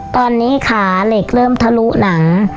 ตอนนี้ขาเหล็กเริ่มทะลุหนัง